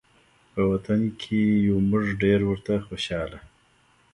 په وطن کې یو موږ ډېر ورته خوشحاله